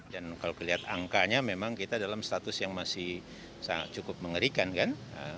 dan kalau melihat angkanya memang kita dalam status yang masih cukup mengerikan kan